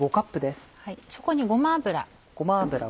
そこにごま油。